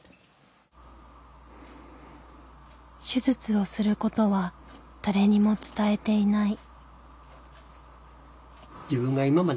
手術をすることは誰にも伝えていない。